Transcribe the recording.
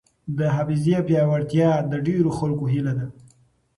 د حافظې پیاوړتیا د ډېرو خلکو هیله ده.